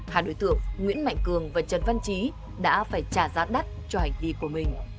hai đối tượng nguyễn mạnh cường và trần văn trí đã phải trả giá đắt cho hành vi của mình